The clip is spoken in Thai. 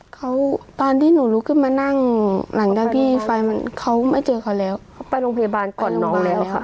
เขาตอนที่หนูลุกขึ้นมานั่งหลังด้านพี่ไฟมันเขาไม่เจอเขาแล้วเขาไปโรงพยาบาลก่อนน้องแล้วค่ะ